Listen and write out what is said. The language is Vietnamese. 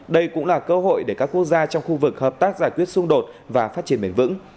đây cũng là cơ hội để các quốc gia trong khu vực hợp tác giải quyết xung đột và phát triển bền vững